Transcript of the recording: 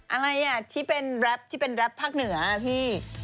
อะไรอ่ะที่เป็นแรปที่เป็นแรปภาคเหนือพี่